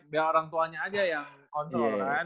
biar orang tuanya aja yang kontrol kan